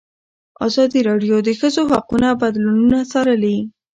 ازادي راډیو د د ښځو حقونه بدلونونه څارلي.